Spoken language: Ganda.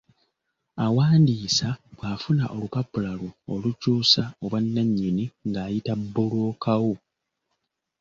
Awandiisa bw'afuna olupapula lwo olukyusa obwanannyini ng'ayita bbulooka wo.